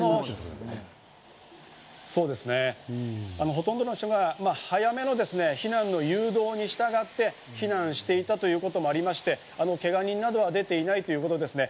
ほとんどの人が早めのですね、避難の誘導に従って避難していたということもありまして、けが人などは出ていないということですね。